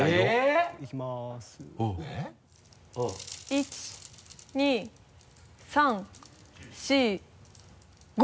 １２３４５。